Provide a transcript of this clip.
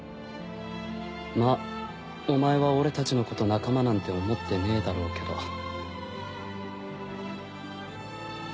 まあお前は俺たちのこと仲間なんて思ってねえだろうけど。